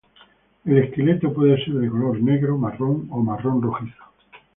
El esqueleto puede ser de color negro, marrón o marrón rojizo.